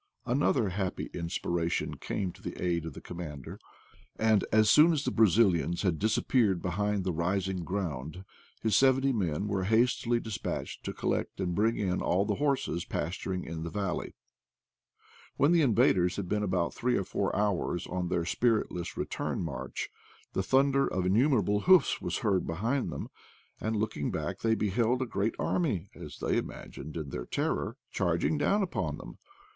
Another happy inspiration came to the aid of the commander, and as soon as the Brazilians had disappeared behind the ris ing ground, his seventy men were hastily dis patched to collect and bring in all the horses pas turing in the valley. When the invaders had been about three or four hours on their spiritless re turn march, the thunder of innumerable hoofs was 94 IDLE DATS IN PATAGONIA heard behind them, and looking back, they beheld a great army, as they imagined in their terror, charging down upon them.